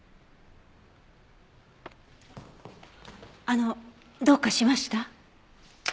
あのどうかしました？